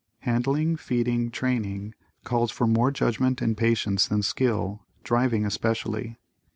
Handling, feeding, training calls for more judgment and patience than skill, driving especially.